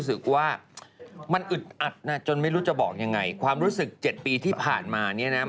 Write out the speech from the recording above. เอ้าแองจี้เป็นผู้ชายหรือเป็นผู้หญิง